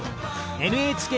ＮＨＫ